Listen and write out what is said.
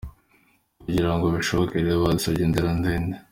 Kugira ngo bishoboke rero byadusabye inzira ndende.